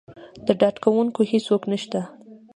د ډاډکوونکي څوک نه شته.